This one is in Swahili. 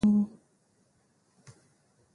Chuo kikuu chetu kimefungwa.